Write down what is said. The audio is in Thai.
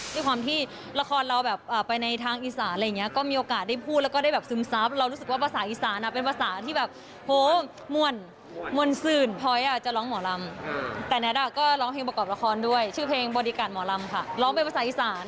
ด้วยความที่ละครเราแบบไปในทางอีสานอะไรอย่างนี้ก็มีโอกาสได้พูดแล้วก็ได้แบบซึมซับเรารู้สึกว่าภาษาอีสานเป็นภาษาที่แบบมวลซื่นพ้อยจะร้องหมอลำแต่แท็ตก็ร้องเพลงประกอบละครด้วยชื่อเพลงบริการหมอลำค่ะร้องเป็นภาษาอีสาน